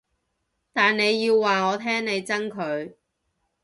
但你要話我聽你憎佢